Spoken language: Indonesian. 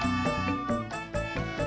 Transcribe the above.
tunggu sebut dulu aja